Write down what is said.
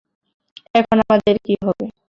এখন আমাদের কী হবে।